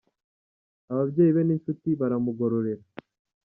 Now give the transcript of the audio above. ababyeyi be n'inshuti baramugororera.